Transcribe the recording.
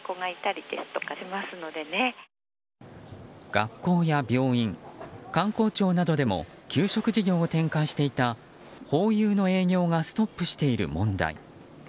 学校や病院、官公庁などでも給食事業を展開していたホーユーの営業がストップしている問題。